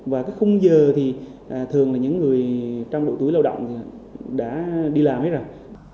và cái khung giờ thì thường là những người trong độ tuổi lao động đã đi làm hết rồi